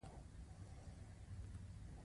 دوی د ژغورنې یوازینۍ لار مبارزه بلله.